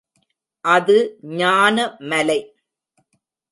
அது ஞான மலை.